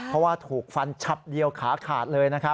เพราะว่าถูกฟันชับเดียวขาขาดเลย